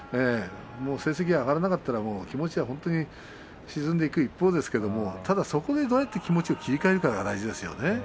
成績が上がらなかったら気持ちは本当に沈んでいく一方ですけどただそこで気持ちをどうやって切り替えていくかが大事ですね。